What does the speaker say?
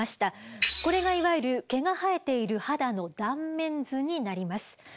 これがいわゆる毛が生えている肌の断面図になります。